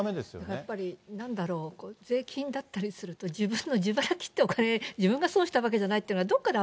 やっぱり、なんだろう、税金だったりすると、自分の自腹切ってお金、自分が損したわけじゃないって、どこかで